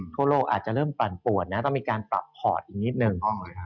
ทั่วโลกอาจจะเริ่มปั่นปวดนะต้องมีการปรับพอร์ตอีกนิดนึง